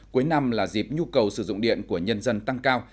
cuối năm là dịp nhu cầu sử dụng điện của nhân dân tăng cao